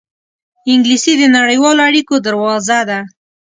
انګلیسي د نړیوالو اړېکو دروازه ده